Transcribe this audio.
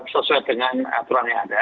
sesuai dengan aturan yang ada